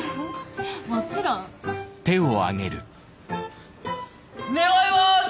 もちろん。願います！